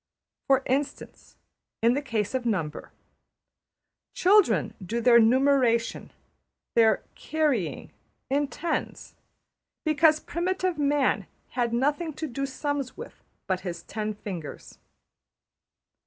For instance, in the case of number: Children do their numeration, their ``carrying,'' in tens, because primitive man had nothing to do sums with but his ten fingers.